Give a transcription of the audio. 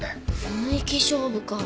雰囲気勝負か。